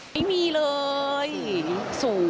ไม่มีเลยศูนย์